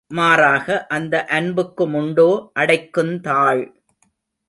மாறாக, அந்த அன்புக்குமுண்டோ அடைக்குந்தாழ்?